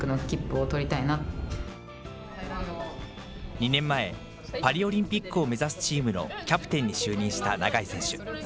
２年前、パリオリンピックを目指すチームのキャプテンに就任した永井選手。